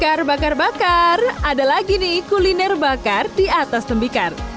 bakar bakar bakar ada lagi nih kuliner bakar di atas tembikar